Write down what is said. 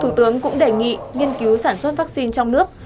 thủ tướng cũng đề nghị nghiên cứu sản xuất vaccine trong nước